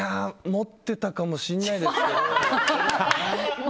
持ってたかもしれないです。